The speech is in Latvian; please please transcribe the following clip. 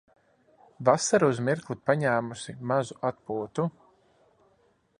Vasara uz mirkli paņēmusi mazu atpūtu.